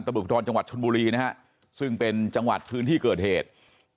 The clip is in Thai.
ตำรวจภูทรจังหวัดชนบุรีนะฮะซึ่งเป็นจังหวัดพื้นที่เกิดเหตุ